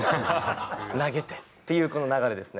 投げてっていうこの流れですね。